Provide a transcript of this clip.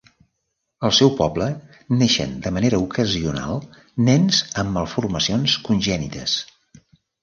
Al seu poble, neixen de manera ocasional nens amb malformacions congènites.